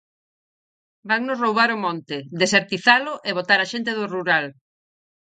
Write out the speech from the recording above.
Vannos roubar o monte, desertizalo e botar a xente do rural.